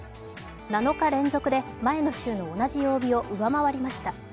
７日連続で前の週の同じ曜日を上回りました。